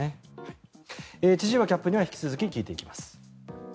千々岩キャップには引き続き聞いていきます。